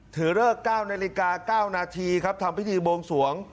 ถือเลิก๙นาฬิกา๙นาทีครับทำพิธีบวงสวง